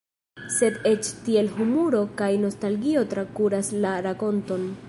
Sed eĉ tiel humuro kaj nostalgio trakuras la rakonton.